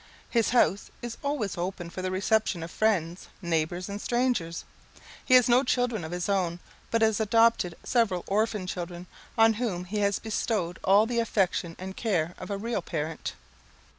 His house is always open for the reception of friends, neighbours, and strangers. He has no children of his own, but has adopted several orphan children, on whom he has bestowed all the affection and care of a real parent.